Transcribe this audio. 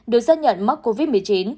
được xác nhận mắc covid một mươi chín